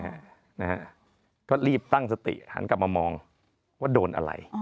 นะฮะก็รีบตั้งสติหันกลับมามองว่าโดนอะไร